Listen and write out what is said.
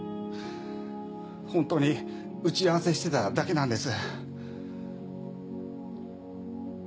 本当に打ち合わせしてただけなんです。